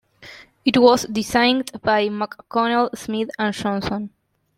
It was designed by McConel Smith and Johnson.